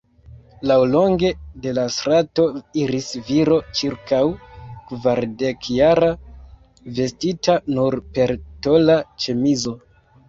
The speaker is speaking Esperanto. Laŭlonge de la strato iris viro ĉirkaŭ kvardekjara, vestita nur per tola ĉemizo.